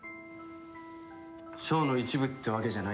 ショーの一部ってわけじゃないんだろ？